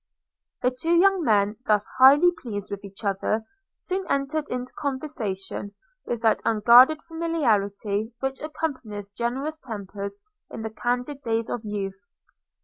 The two young men, thus highly pleased with each other, soon entered into conversation, with that unguarded familiarity which accompanies generous tempers in the candid days of youth.